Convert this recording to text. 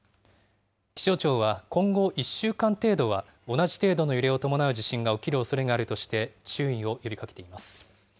気象庁は、今後１週間程度は、同じ程度の揺れを伴う地震が起きるおそれがあるとして、注意を呼びかけています。